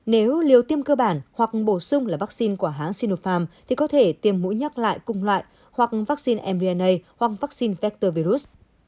nếu liều tiêm cơ bản hoặc bổ sung là vaccine của hãng sinopharm thì có thể tiêm mũi nhắc lại cung loại hoặc vaccine mbna hoặc vaccine vector virus